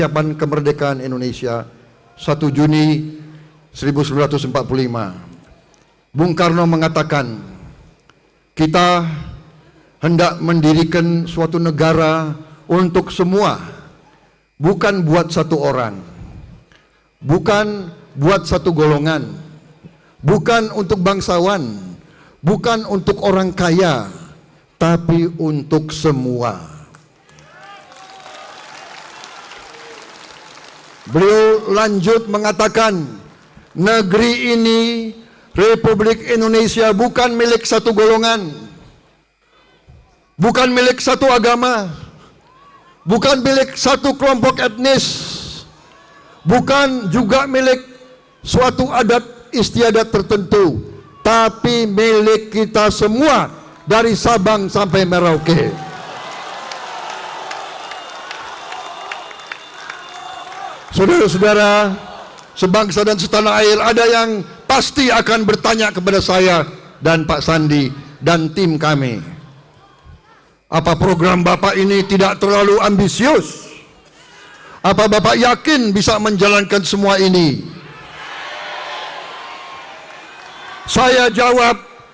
bukan buat satu orang bukan buat satu golongan bukan untuk bangsawan bukan untuk orang kaya tapi untuk semua